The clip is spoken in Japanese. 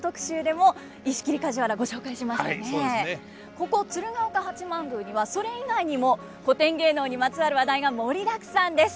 ここ鶴岡八幡宮にはそれ以外にも古典芸能にまつわる話題が盛りだくさんです。